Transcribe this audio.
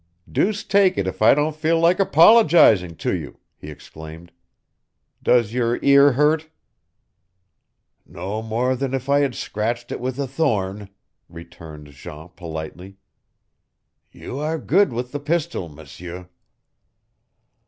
"Deuce take it if I don't feel like apologizing to you," he exclaimed. "Does your ear hurt?" "No more than if I had scratched it with a thorn," returned Jean politely. "You are good with the pistol, M'seur."